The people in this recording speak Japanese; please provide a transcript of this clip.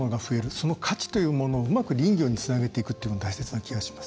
その価値というものをうまく林業につなげていくというのが大切な気がします。